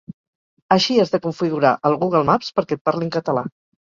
Així has de configurar el Google Maps perquè et parli en català